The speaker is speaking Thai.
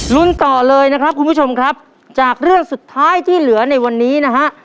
ต่อเลยนะครับคุณผู้ชมครับจากเรื่องสุดท้ายที่เหลือในวันนี้นะฮะ